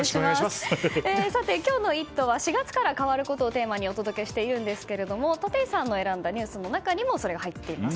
今日の「イット！」は４月から変わることをテーマにお届けしているんですが立石さんが選んだニュースの中にもそれが入っています。